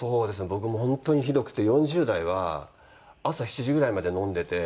僕もう本当にひどくて４０代は朝７時ぐらいまで飲んでて。